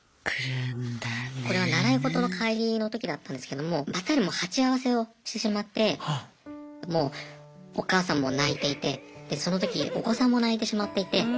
これは習い事の帰りの時だったんですけどもバッタリもう鉢合わせをしてしまってもうお母さんも泣いていてでその時お子さんも泣いてしまっていて。